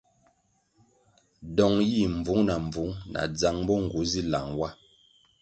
Dong yih mbvung na mbvung na dzang bo nğu si lang wa.